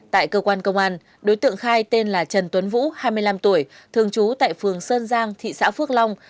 tại cơ quan công an đối tượng khai tên là trần tuấn vũ hai mươi năm tuổi thường trú tại phường sơn giang thị xã phước long